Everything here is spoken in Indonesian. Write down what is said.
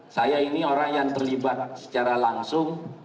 saya ini orang yang terlibat secara langsung